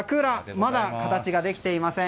まだ形ができていません。